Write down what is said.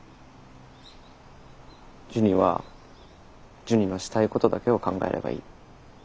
ジュニはジュニのしたいことだけを考えればいい。